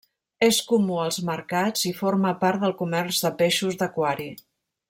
És comú als mercats i forma part del comerç de peixos d'aquari.